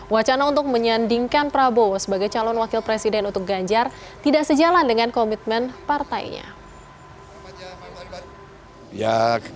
wacana untuk menyandingkan prabowo sebagai calon wakil presiden untuk ganjar tidak sejalan dengan komitmen partainya